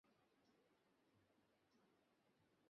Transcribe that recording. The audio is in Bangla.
যার নামে হারান রাজ্যের পরিচিতি।